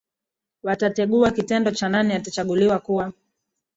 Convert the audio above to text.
watategua kitendo cha nani atachaguliwa kuwa